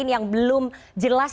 yang belum jelas